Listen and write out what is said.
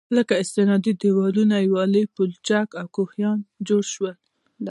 لكه: استنادي دېوالونه، ويالې، پولچك او كوهيان جوړ شول.